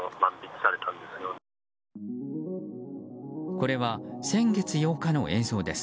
これは先月８日の映像です。